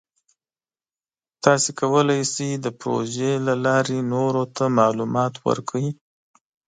تاسو کولی شئ د پروژې له لارې نورو ته معلومات ورکړئ.